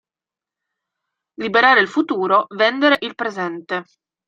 Liberare il futuro, vendere il presente.